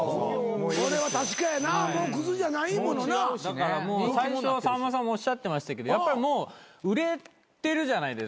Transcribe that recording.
だから最初さんまさんもおっしゃってましたけどやっぱりもう売れてるじゃないですか。